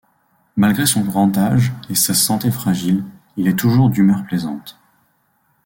Malgré son grand âge et sa santé fragile, il est toujours d’humeur plaisante.